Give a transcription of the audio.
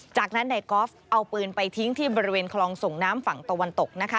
จากนั้นนายกอล์ฟเอาปืนไปทิ้งที่บริเวณคลองส่งน้ำฝั่งตะวันตกนะคะ